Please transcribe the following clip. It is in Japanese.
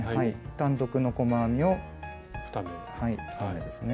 単独の細編みを２目ですね。